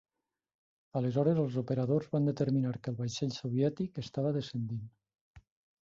Aleshores els operadors van determinar que el vaixell soviètic estava descendint.